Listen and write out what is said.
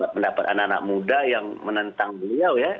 pendapat anak anak muda yang menentang beliau ya